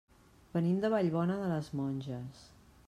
Venim de Vallbona de les Monges.